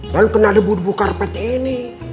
dan kena debu debu karpet ini